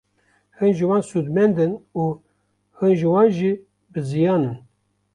Hin ji wan sûdmend in û hin ji wan jî biziyan in.